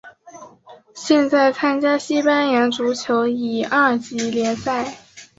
现在参加西班牙足球乙二级联赛。